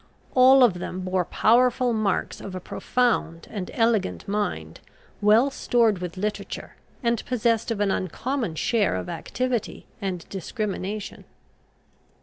All of them bore powerful marks of a profound and elegant mind, well stored with literature, and possessed of an uncommon share of activity and discrimination.